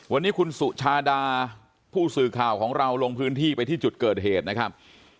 วันนี้คุณสุชาดาผู้สื่อข่าวของเราลงพื้นที่ไปที่จุดเกิดเหตุนะครับ